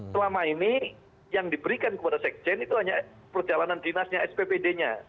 selama ini yang diberikan kepada sekjen itu hanya perjalanan dinasnya sppd nya